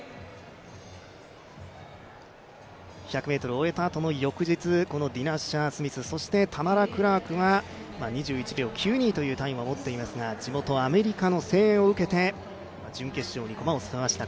１００ｍを終えたあとの翌日、ディナ・アッシャー・スミスそしてタマラ・クラークが２１秒９２というタイムは持っていますが地元アメリカの声援を受けて準決勝に駒を進めました。